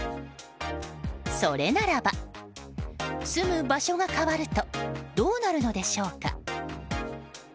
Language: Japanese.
それならば、住む場所が変わるとどうなるのでしょうか。